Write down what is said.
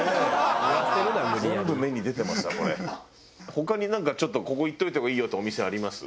他になんかちょっとここ行っといた方がいいよっていうお店あります？